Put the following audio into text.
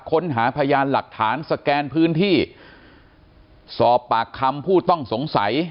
ค้นหาพยานหลักฐานสแกนพื้นที่สอบปากคำผู้ต้องสงสัย